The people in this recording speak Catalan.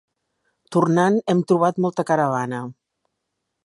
Tornant, hem trobat molta caravana.